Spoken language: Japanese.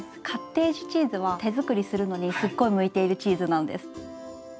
カッテージチーズは手作りするのにすっごい向いているチーズなんです。